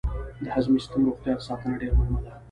د هضمي سیستم روغتیا ساتنه ډېره مهمه ده.